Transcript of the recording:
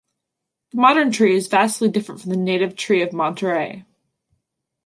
The modern tree is vastly different from the native tree of Monterey.